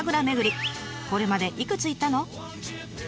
これまでいくつ行ったの？